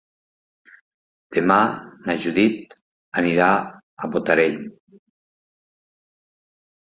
Demà na Judit anirà a Botarell.